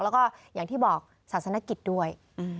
แล้วก็อย่างที่บอกศาสนกิจด้วย